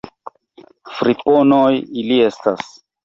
Friponoj ili estas!